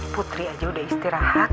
putri aja udah istirahat